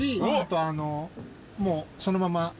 もうそのまま。